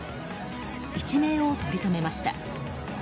一命をとりとめました。